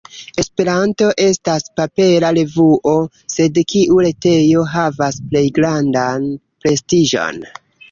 Esperanto estas papera revuo, sed kiu retejo havas plej grandan prestiĝon?